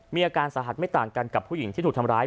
มีอาการสาหัสไม่ต่างกันกับผู้หญิงที่ถูกทำร้าย